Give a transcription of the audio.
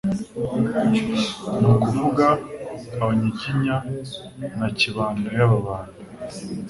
ni ukuvuga Abanyiginya na Kibanda y'Ababanda.